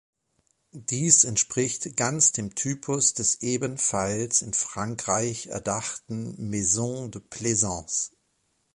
Dies entspricht ganz dem Typus des ebenfalls in Frankreich erdachten "maison de plaisance".